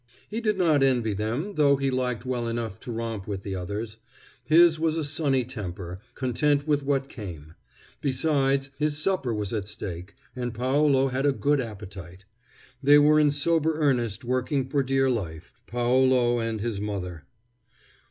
He did not envy them, though he liked well enough to romp with the others. His was a sunny temper, content with what came; besides, his supper was at stake, and Paolo had a good appetite. They were in sober earnest working for dear life Paolo and his mother.